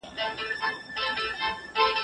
زما مور د باندې د کور په انګړ کې جامې مینځي.